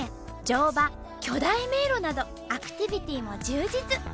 乗馬巨大迷路などアクティビティーも充実！